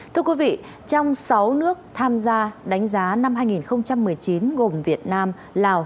thưa quý vị trong sáu nước tham gia đánh giá năm hai nghìn một mươi chín gồm việt nam lào